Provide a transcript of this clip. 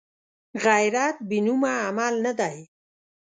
غیرت بېنومه عمل نه دی